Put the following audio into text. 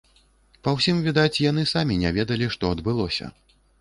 Па ўсім відаць, яны самі не ведалі, што адбылося.